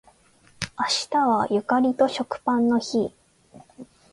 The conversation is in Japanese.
明日はゆかりと食パンの日